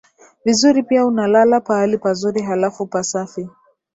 vizuri pia unalala pahali pazuri halafu pasafi